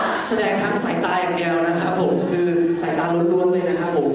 แล้วก็แสดงครั้งใส่ตาอย่างเดียวนะครับผมคือใส่ตารวดรวมเลยนะครับผม